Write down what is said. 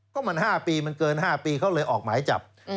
ก็มัน๕ปีมันเกิน๕ปีเขาเลยออกหมายจับ